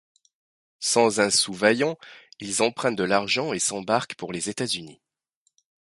Sans un sou vaillant, ils empruntent de l'argent et s'embarquent pour les États-Unis.